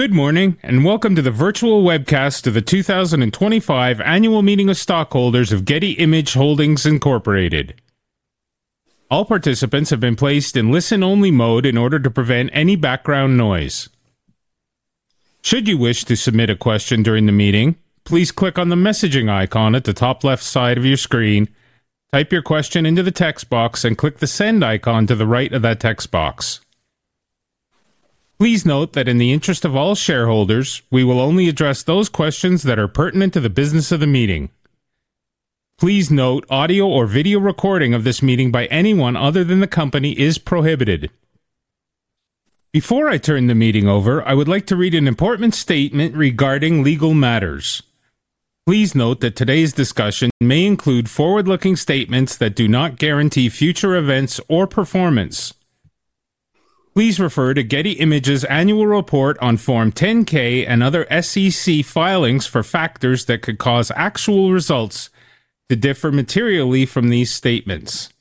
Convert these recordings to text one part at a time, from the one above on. Good morning and welcome to the virtual webcast of the 2025 Annual Meeting of Stockholders of Getty Images Holdings, Inc. All participants have been placed in listen-only mode in order to prevent any background noise. Should you wish to submit a question during the meeting, please click on the messaging icon at the top left side of your screen, type your question into the text box, and click the send icon to the right of that text box. Please note that in the interest of all shareholders, we will only address those questions that are pertinent to the business of the meeting. Please note audio or video recording of this meeting by anyone other than the company is prohibited. Before I turn the meeting over, I would like to read an important statement regarding legal matters. Please note that today's discussion may include forward-looking statements that do not guarantee future events or performance. Please refer to Getty Images' annual report on Form 10-K and other SEC filings for factors that could cause actual results to differ materially from these statements.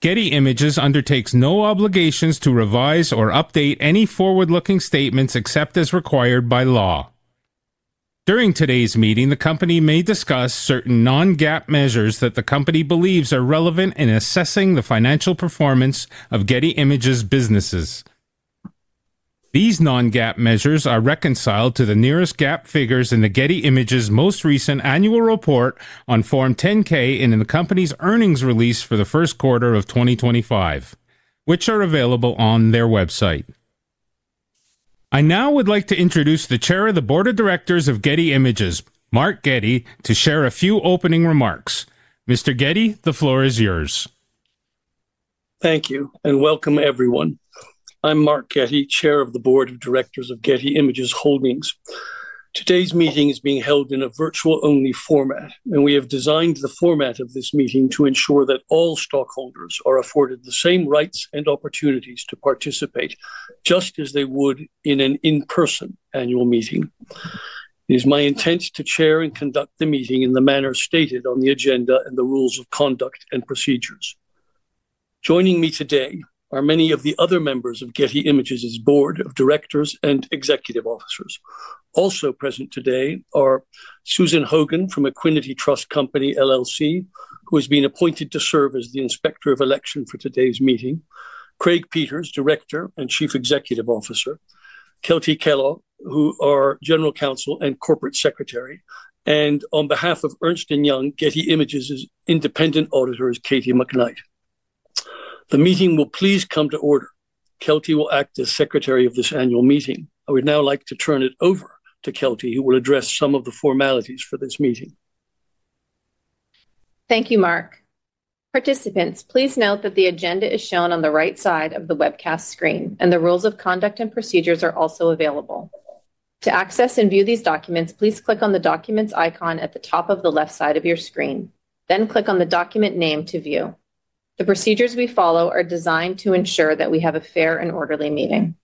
Getty Images undertakes no obligations to revise or update any forward-looking statements except as required by law. During today's meeting, the company may discuss certain non-GAAP financial measures that the company believes are relevant in assessing the financial performance of Getty Images' businesses. These non-GAAP financial measures are reconciled to the nearest GAAP figures in Getty Images' most recent annual report on Form 10-K and in the company's earnings release for the first quarter of 2025, which are available on their website. I now would like to introduce the Chair of the Board of Directors of Getty Images, Mark Getty, to share a few opening remarks. Mr. Getty, the floor is yours. Thank you and welcome everyone. I'm Mark Getty, Chair of the Board of Directors of Getty Images Holdings. Today's meeting is being held in a virtual-only format, and we have designed the format of this meeting to ensure that all stockholders are afforded the same rights and opportunities to participate just as they would in an in-person annual meeting. It is my intent to chair and conduct the meeting in the manner stated on the agenda and the rules of conduct and procedures. Joining me today are many of the other members of Getty Images' Board of Directors and Executive Officers. Also present today are Susan Hogan from Equiniti Trust Company LLC, who has been appointed to serve as the Inspector of Election for today's meeting, Craig Peters, Director and Chief Executive Officer, Kelty Kellogg, who is our General Counsel and Corporate Secretary, and on behalf of Ernst & Young, Getty Images' independent auditor, Katie McKnight. The meeting will please come to order. Kelty will act as Secretary of this annual meeting. I would now like to turn it over to Kelty, who will address some of the formalities for this meeting. Thank you, Mark. Participants, please note that the agenda is shown on the right side of the webcast screen, and the rules of conduct and procedures are also available. To access and view these documents, please click on the documents icon at the top of the left side of your screen, then click on the document name to view. The procedures we follow are designed to ensure that we have a fair and orderly meeting.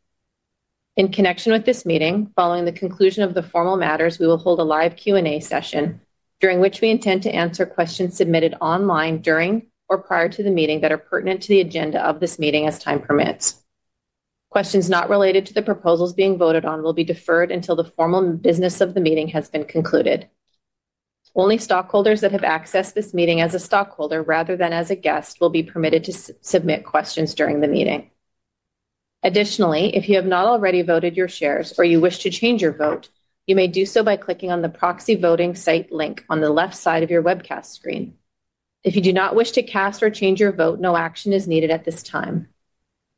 In connection with this meeting, following the conclusion of the formal matters, we will hold a live Q&A session during which we intend to answer questions submitted online during or prior to the meeting that are pertinent to the agenda of this meeting as time permits. Questions not related to the proposals being voted on will be deferred until the formal business of the meeting has been concluded. Only stockholders that have accessed this meeting as a stockholder rather than as a guest will be permitted to submit questions during the meeting. Additionally, if you have not already voted your shares or you wish to change your vote, you may do so by clicking on the proxy voting site link on the left side of your webcast screen. If you do not wish to cast or change your vote, no action is needed at this time.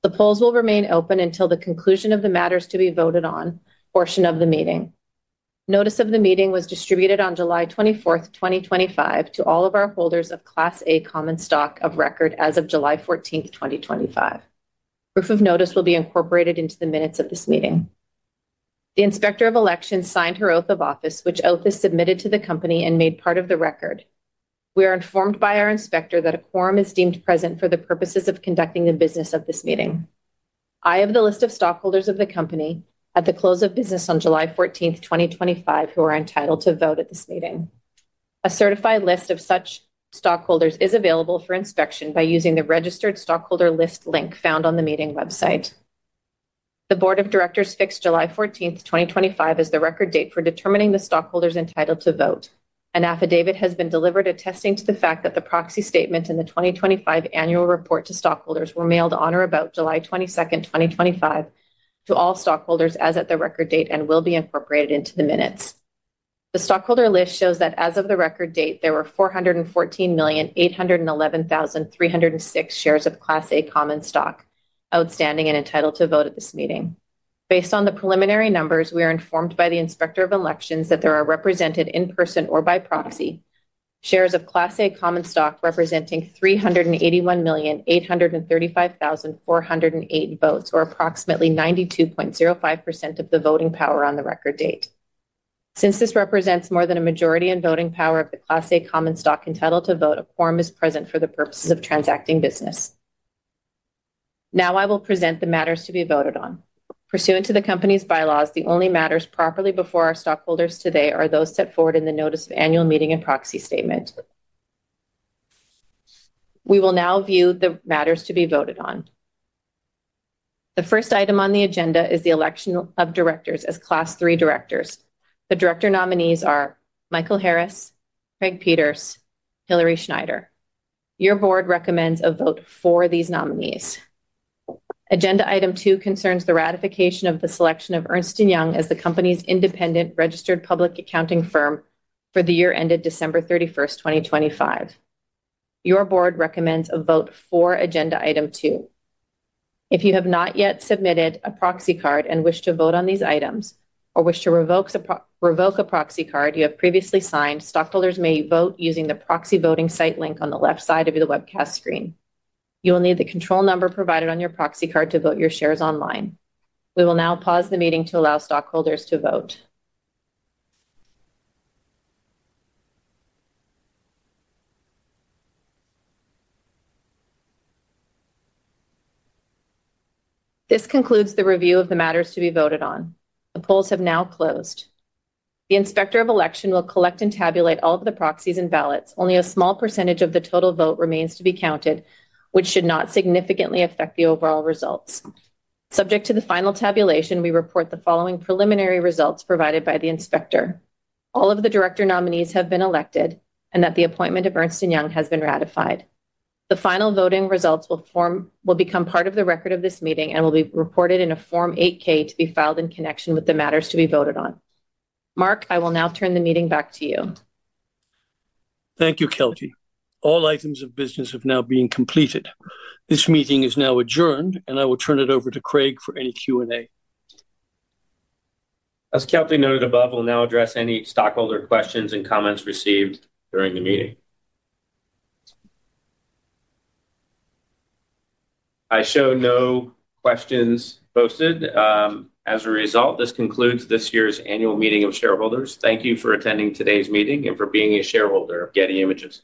The polls will remain open until the conclusion of the matters to be voted on portion of the meeting. Notice of the meeting was distributed on July 24, 2025, to all of our holders of Class A common stock of record as of July 14, 2025. Proof of notice will be incorporated into the minutes of this meeting. The Inspector of Election signed her oath of office, which oath is submitted to the company and made part of the record. We are informed by our Inspector that a quorum is deemed present for the purposes of conducting the business of this meeting. I have the list of stockholders of the company at the close of business on July 14, 2025, who are entitled to vote at this meeting. A certified list of such stockholders is available for inspection by using the registered stockholder list link found on the meeting website. The Board of Directors fixed July 14, 2025, as the record date for determining the stockholders entitled to vote. An affidavit has been delivered attesting to the fact that the proxy statement and the 2025 annual report to stockholders were mailed on or about July 22, 2025, to all stockholders as at the record date and will be incorporated into the minutes. The stockholder list shows that as of the record date, there were 414,811,306 shares of Class A common stock outstanding and entitled to vote at this meeting. Based on the preliminary numbers, we are informed by the Inspector of Election that there are represented in person or by proxy shares of Class A common stock representing 381,835,408 votes, or approximately 92.05% of the voting power on the record date. Since this represents more than a majority in voting power of the Class A common stock entitled to vote, a quorum is present for the purposes of transacting business. Now I will present the matters to be voted on. Pursuant to the company's bylaws, the only matters properly before our stockholders today are those set forward in the notice of annual meeting and proxy statement. We will now view the matters to be voted on. The first item on the agenda is the election of directors as Class 3 directors. The director nominees are Michael Harris, Craig Peters, and Hilary Schneider. Your Board recommends a vote for these nominees. Agenda item two concerns the ratification of the selection of Ernst & Young as the company's independent registered public accounting firm for the year ended December 31, 2025. Your Board recommends a vote for agenda item two. If you have not yet submitted a proxy card and wish to vote on these items or wish to revoke a proxy card you have previously signed, stockholders may vote using the proxy voting site link on the left side of your webcast screen. You will need the control number provided on your proxy card to vote your shares online. We will now pause the meeting to allow stockholders to vote. This concludes the review of the matters to be voted on. The polls have now closed. The Inspector of Election will collect and tabulate all of the proxies and ballots. Only a small percentage of the total vote remains to be counted, which should not significantly affect the overall results. Subject to the final tabulation, we report the following preliminary results provided by the Inspector: all of the director nominees have been elected and that the appointment of Ernst & Young has been ratified. The final voting results will become part of the record of this meeting and will be reported in a Form 8-K to be filed in connection with the matters to be voted on. Mark, I will now turn the meeting back to you. Thank you, Kelty. All items of business have now been completed. This meeting is now adjourned, and I will turn it over to Craig for any Q&A. As Kelty noted above, we'll now address any stockholder questions and comments received during the meeting. I show no questions posted. As a result, this concludes this year's annual meeting of shareholders. Thank you for attending today's meeting and for being a shareholder of Getty Images.